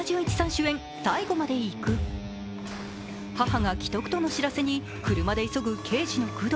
母が危篤との知らせに車で急ぐ刑事の工藤。